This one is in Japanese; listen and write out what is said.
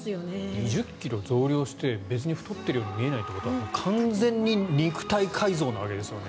２０ｋｇ増量して別に太っているように見えないということは完全に肉体改造なわけですよね。